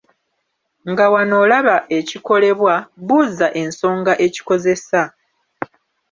Nga wano olaba ekikolebwa, buuza ensonga ekikozesa.